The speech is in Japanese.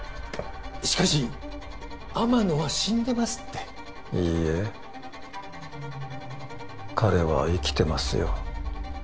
しかし天野は死んでますっていいえ彼は生きてますよ